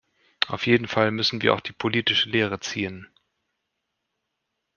Auf jeden Fall müssen wir auch die politische Lehre ziehen.